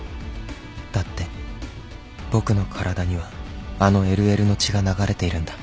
だって僕の体にはあの ＬＬ の血が流れているんだ